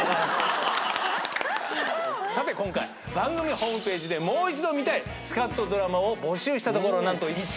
さて今回番組ホームページでもう一度見たいスカッとドラマを募集したところ何と。